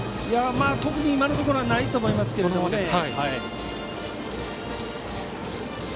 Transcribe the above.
特に今のところはないと思いますけどね。